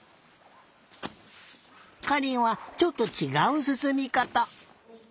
かりんはちょっとちがうすすみかた。